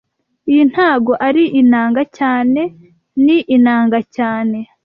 Iyi ntago ari inanga cyane Ni inanga cyane